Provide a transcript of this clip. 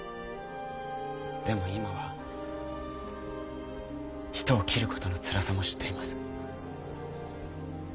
でも今は人を斬る事のつらさも知っています。